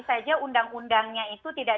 saja undang undangnya itu tidak